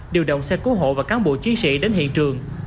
điều động xe cứu hộ và cán bộ chiến sĩ đến hiện trường